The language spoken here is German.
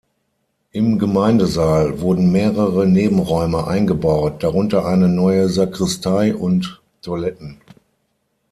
Im Gemeindesaal wurden mehrere Nebenräume eingebaut, darunter eine neue Sakristei und Toiletten.